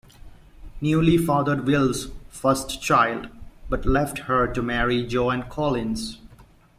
Newley fathered Wills' first child, but left her to marry Joan Collins.